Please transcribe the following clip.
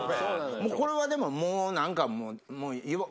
これはでももう何か。